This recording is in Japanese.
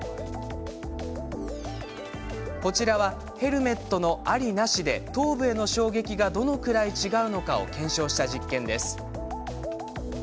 こちらはヘルメットのありなしで頭部への衝撃がどのくらい違うのかを検証した実験です。